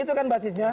itu kan basisnya